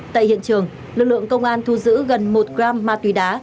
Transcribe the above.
tại hiện trường lực lượng công an thu giữ gần một gram ma túy đá